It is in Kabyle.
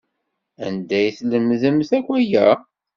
Anda ay tlemdemt akk aya?